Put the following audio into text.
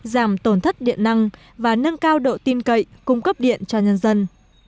giảm tổn thất điện năng và nâng cao độ tin cậy cung cấp điện cho nhân dân